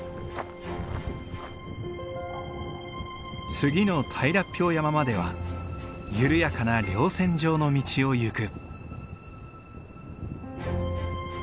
次の平標山までは緩やかな稜線上の道を行く。